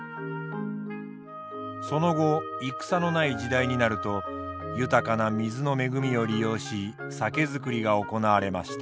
その後戦のない時代になると豊かな水の恵みを利用し酒造りが行われました。